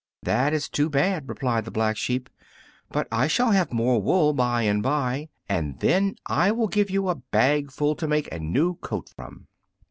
"That is too bad," replied the Black Sheep; "but I shall have more wool by and by, and then I will give you a bagful to make a new coat from."